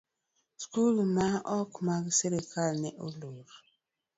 skul ma ok mag sirkal ne olor.